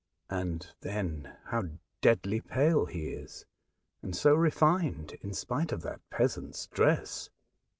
And, then, how deadly pale he is, and so refined, in spite of that peasant's dress.